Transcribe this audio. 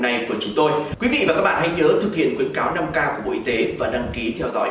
ngày của chúng tôi quý vị và các bạn hãy nhớ thực hiện khuyến cáo năm k của bộ y tế và đăng ký theo dõi